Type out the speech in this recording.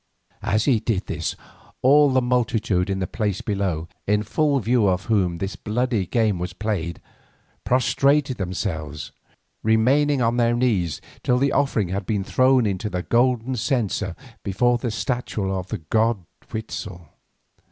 As he did this all the multitude in the place below, in full view of whom this bloody game was played, prostrated themselves, remaining on their knees till the offering had been thrown into the golden censer before the statue of the god Huitzel.